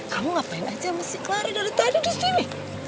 kamu ngapain aja sama si kelara dari tadi disini